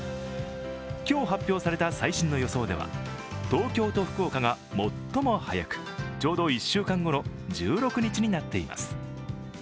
今日発表された最新の予想では、東京と福岡が最も早くちょうど１週間後の１６日になっています。